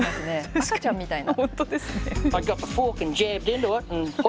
赤ちゃんみたいな。